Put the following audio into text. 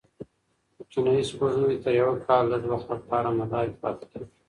کوچنۍ سپوږمۍ تر یوه کال لږ وخت لپاره مدار کې پاتې کېږي.